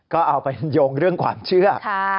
ก็เอาไปโยงเรื่องความเชื่อ